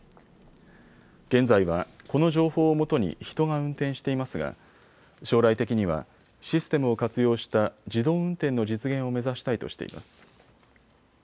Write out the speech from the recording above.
現在はこの情報をもとに人が運転していますが将来的にはシステムを活用した自動運転の実現を目指したいとしています。